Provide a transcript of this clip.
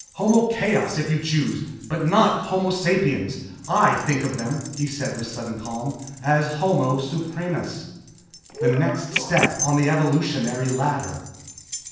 Homo chaos, if you choose. But not homo sapiens. I think of them," he said with sudden calm, "As Homo Supremus. The next step on the evolutionary ladder...."